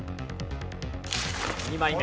２枚目。